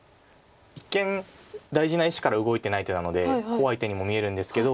一見大事な石から動いてない手なので怖い手にも見えるんですけど。